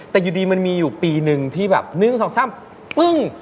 แต่อยู่ดีมันมีอยู่ปีหนึ่งที่แบบ๑๒๓ปึ้ง